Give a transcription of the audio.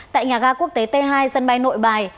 tại nhà ga quốc tế t hai sân bay nội bài